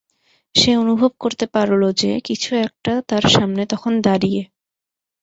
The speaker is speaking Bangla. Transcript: সে অনুভব করতে পারল যে, কিছু একটা তার সামনে তখন দাঁড়িয়ে।